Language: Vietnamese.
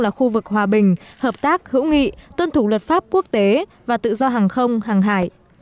là khu vực hòa bình hợp tác hữu nghị tuân thủ luật pháp quốc tế và tự do hàng không hàng hải